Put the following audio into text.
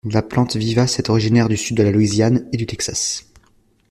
La plante vivace est originaire du sud de la Louisiane et du Texas.